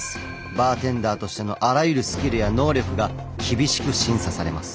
バーテンダーとしてのあらゆるスキルや能力が厳しく審査されます。